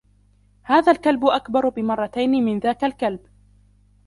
هذا الكلب أكبر بمرتين من ذاك الكلب.